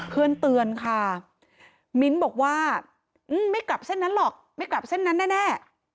เตือนค่ะมิ้นบอกว่าไม่กลับเส้นนั้นหรอกไม่กลับเส้นนั้นแน่